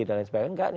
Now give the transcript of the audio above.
dan lain sebagainya